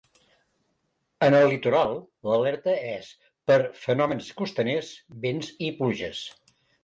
En el litoral l’alerta és per fenòmens costaners, vents i pluges.